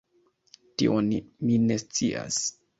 Tion mi ne scias.